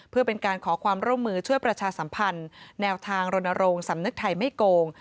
เพื่อเป็นการขอความร่วมมือช่วยประชาสัมพันธ์แนวทางรณรงค์สำนึกไทยไม่โกง